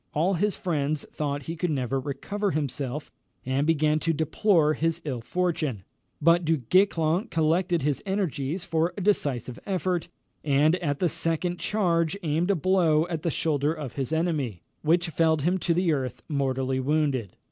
All his friends thought he could never recover himself, and began to deplore his ill fortune; but Du Guesclin collected his energies for a decisive effort, and at the second charge aimed a blow at the shoulder of his enemy, which felled him to the earth, mortally wounded.